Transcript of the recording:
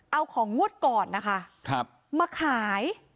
เอาของงวดก่อนนะคะมาขาย